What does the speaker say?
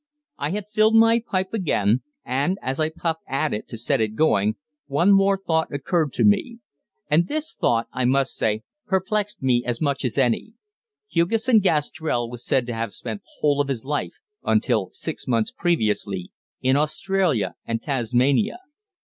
I had filled my pipe again, and, as I puffed at it to set it going, one more thought occurred to me. And this thought, I must say, perplexed me as much as any. Hugesson Gastrell was said to have spent the whole of his life, until six months previously, in Australia and Tasmania.